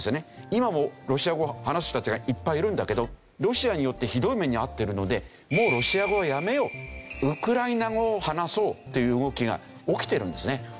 今もロシア語を話す人たちがいっぱいいるんだけどロシアによってひどい目に遭ってるので「もうロシア語はやめよう」「ウクライナ語を話そう」という動きが起きてるんですね。